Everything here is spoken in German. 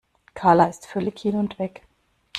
Karla ist völlig hin und weg.